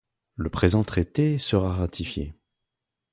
Le présent traité sera ratifié.